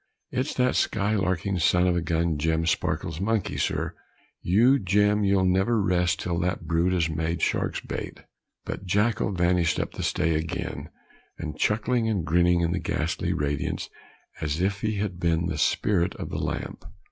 "It's that sky larking son of a gun, Jem Sparkle's monkey, sir. You Jem, you'll never rest till that brute is made shark's bait of." But Jacko vanished up the stay again, chuckling and grinning in the ghastly radiance, as if he had been 'the spirit of the Lamp.'